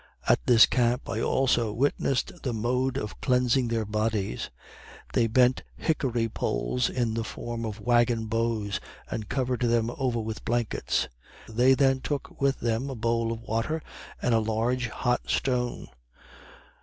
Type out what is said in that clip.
At this camp I also witnessed the mode of cleansing their bodies. They bent hickory poles in the form of wagon bows, and covered them over with blankets. They then took with them a bowl of water and a large hot stone.